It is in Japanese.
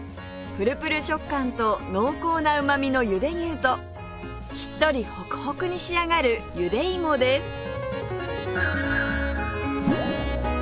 プルプル食感と濃厚なうまみのゆで牛としっとりホクホクに仕上がるゆでいもです